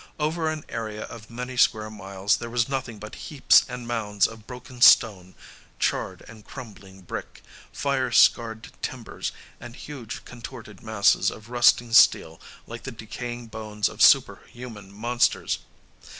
Over an area of many square miles, there was nothing but heaps and mounds of broken stone, charred and crumbling brick, fire scarred timbers, and huge contorted masses of rusting steel like the decaying bones of superhuman monsters.